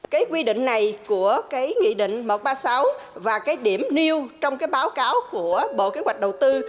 cái quy định này của cái nghị định một trăm ba mươi sáu và cái điểm nêu trong cái báo cáo của bộ kế hoạch đầu tư